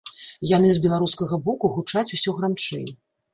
Яны з беларускага боку гучаць усё грамчэй.